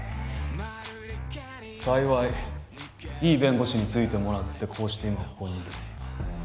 幸いいい弁護士についてもらってこうして今ここにいる。